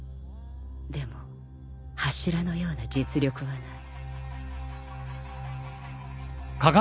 でも柱のような実力はない